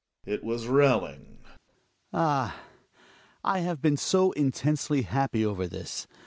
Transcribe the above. it was Railing! Hjalmar. Ah ! I have been so intensely happy over this.